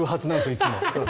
いつも。